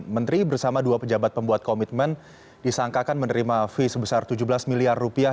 menteri bersama dua pejabat pembuat komitmen disangkakan menerima fee sebesar tujuh belas miliar rupiah